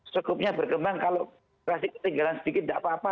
cukupnya berkembang kalau kerasi ketinggalan sedikit nggak apa apa